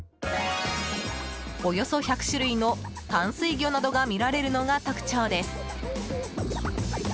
およそ１００種類の淡水魚などが見られるのが特徴です。